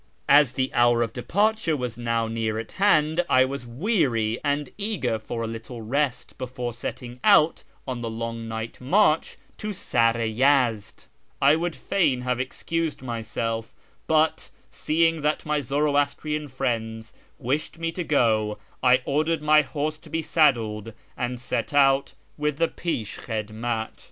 As the hour of depar ture was now near at hand, and I was weary and eager for a little rest before setting out on the Ion" nitrht march to Sar i Yezd, I would fain have excused myself ; but, seeing that my Zoroastrian friends wished me to go, I ordered my horse to be saddled, and set out with the lAshJiliidmat.